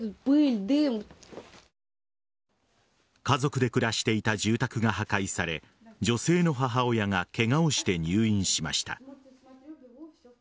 家族で暮らしていた住宅が破壊され女性の母親がケガをして入院しました。